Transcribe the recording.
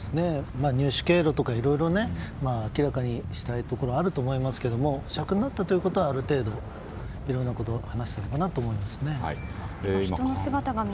入手経路とかいろいろ明らかにしたいことがあると思いますが保釈になったということはある程度、いろんなことを話したんだと思います。